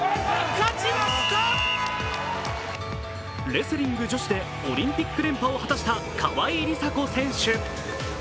レスリング女子でオリンピック連覇を果たした川井梨紗子選手。